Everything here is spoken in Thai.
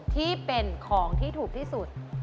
ที่เป็นของที่ถูกที่สุด